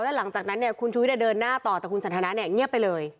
แล้วหลังจากนั้นคุณชูวิทย์เดินหน้าต่อแต่คุณสันทนะเงียบไปเลย